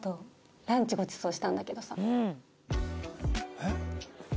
えっ？